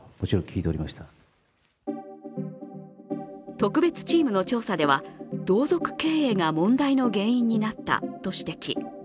特別チームの調査では同族経営が問題の原因になったと指摘。